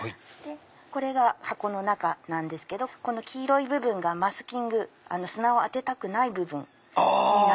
これが箱の中なんですけどこの黄色い部分がマスキング砂を当てたくない部分になります。